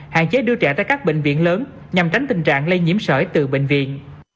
hạn chế đưa trẻ tới các bệnh viện lớn nhằm tránh tình trạng lây nhiễm sởi từ bệnh viện